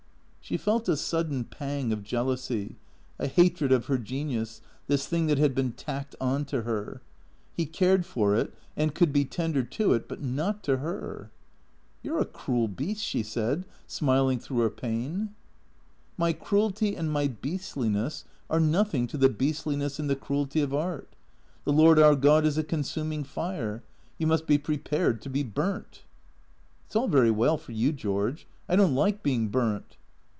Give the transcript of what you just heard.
She felt a sudden pang of jealousy, a hatred of her genius, this thing that had been tacked on to her. He cared for it and could be tender to it, but not to her. " You 're a cruel beast," she said, smiling through her pain. " My cruelty and my beastliness are nothing to the beastliness and the cruelty of art. The Lord our God is a consuming hre. You must be prepared to be burnt." " It 's all very well for you, George. I don't like being burnt."